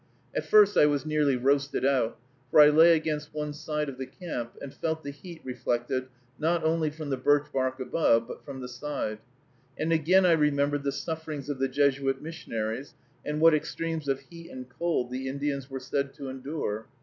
At first I was nearly roasted out, for I lay against one side of the camp, and felt the heat reflected not only from the birch bark above, but from the side; and again I remembered the sufferings of the Jesuit missionaries, and what extremes of heat and cold the Indians were said to endure.